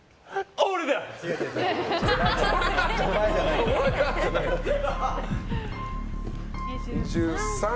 俺だじゃないのよ。